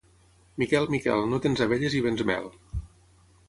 Miquel, Miquel, no tens abelles i vens mel.